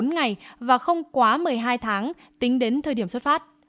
một mươi bốn ngày và không quá một mươi hai tháng tính đến thời điểm xuất phát